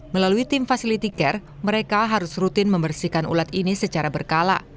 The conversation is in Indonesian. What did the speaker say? melalui tim facility care mereka harus rutin membersihkan ulat ini secara berkala